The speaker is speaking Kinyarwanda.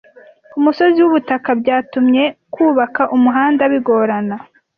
Umusozi wubutaka byatumye kubaka umuhanda bigorana.